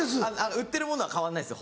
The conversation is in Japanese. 売ってるものは変わんないんですよ